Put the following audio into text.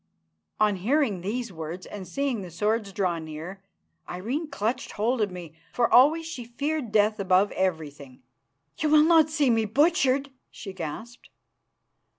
On hearing these words, and seeing the swords draw near, Irene clutched hold of me, for always she feared death above everything. "You will not see me butchered?" she gasped.